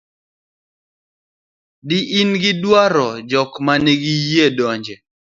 din ni dwaro jok manigi yie donje